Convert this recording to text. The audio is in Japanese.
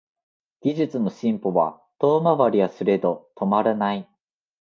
技術の進歩は遠回りはすれど止まらない